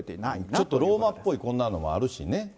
ちょっとローマっぽい、こんなのもあるしね。